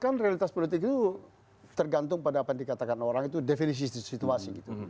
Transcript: kan realitas politik itu tergantung pada apa yang dikatakan orang itu definisi situasi gitu